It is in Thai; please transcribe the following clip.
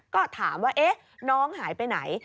ก็ถามว่าน้องหายไปไหน